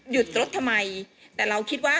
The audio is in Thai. หยุดรถทำไมแต่เราคิดว่า